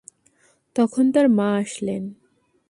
তখন তাঁর মা আসলেন।